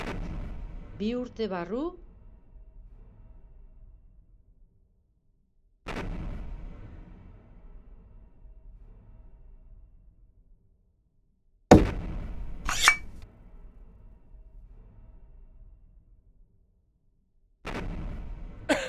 Bi urte barru espazioan kontzertu bat emango omen du abeslari newyorktarrak.